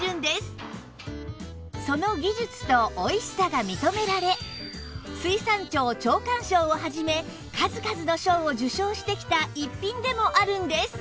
その技術とおいしさが認められ水産庁長官賞を始め数々の賞を受賞してきた逸品でもあるんです